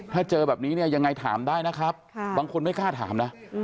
ถ้าเจอแบบนี้เนี่ยยังไงถามได้นะครับบางคนไม่กล้าถามนะ